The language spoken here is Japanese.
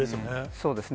そうですね。